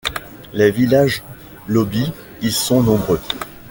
Les villages Lobi y sont nombreux.